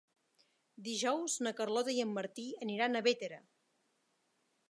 Dijous na Carlota i en Martí aniran a Bétera.